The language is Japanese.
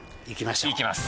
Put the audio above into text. いきます。